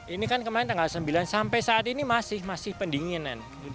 ini kan kemarin tanggal sembilan sampai saat ini masih pendinginan